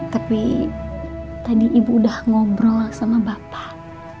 tapi tadi ibu udah ngobrol sama bapak